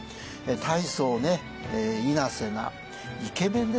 大層いなせなイケメンですね